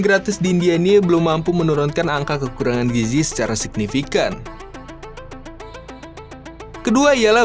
gratis di india ini belum mampu menurunkan angka kekurangan gizi secara signifikan kedua ialah